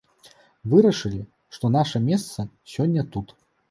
Вырашылі, што наша месца сёння тут.